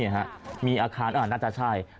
นี่ฮะมีอาคารอ่ะน่าจะใช่